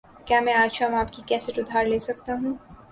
کیا میں آج شام آپکی کیسٹ ادھار لے سکتا ہوں؟